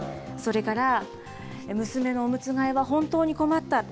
それから、娘のおむつ替えは本当に困った。